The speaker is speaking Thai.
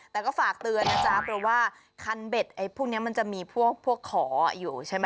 แต่ก็ฝากเตือนนะจ๊ะเพราะว่าคันเบ็ดไอ้พวกนี้มันจะมีพวกขออยู่ใช่ไหม